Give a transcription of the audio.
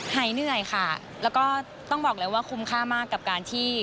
เหนื่อยค่ะแล้วก็ต้องบอกเลยว่าคุ้มค่ามากกับการที่